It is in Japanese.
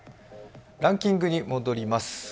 ランキングに戻ります。